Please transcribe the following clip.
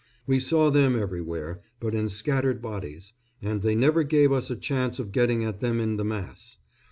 We saw them everywhere, but in scattered bodies, and they never gave us a chance of getting at them in the mass.